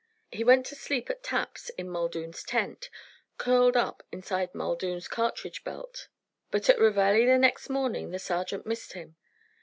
He went to sleep at taps in Muldoon's tent, curled up inside Muldoon's cartridge belt; but at reveille the next morning the sergeant missed him.